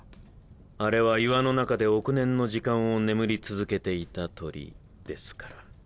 あれは岩の中で億年の時間を眠り続けていた鳥ですから。